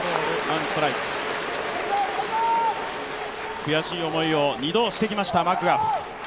悔しい思いを２度してきました、マクガフ。